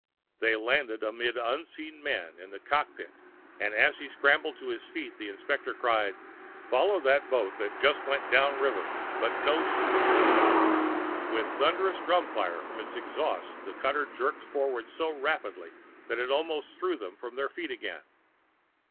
They landed amid unseen men in the cockpit, and as he scrambled to his feet the inspector cried, "Follow that boat that just went down river. But no shooting!" With thunderous drumfire from its exhausts, the cutter jerked forward so rapidly that it almost threw them from their feet again.